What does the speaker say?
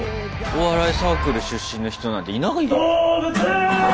お笑いサークル出身の人なんていないよ。